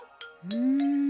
うん。